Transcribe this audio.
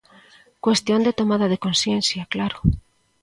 Cuestión de tomada de consciencia, claro.